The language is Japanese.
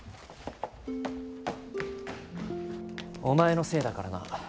お前のせいだからな。